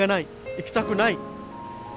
行きたくない。